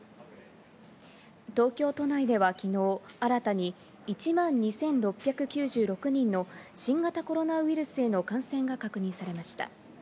東京都内では昨日新たに１万２６９６人の新型コロナウイルスへの感染が確認されました。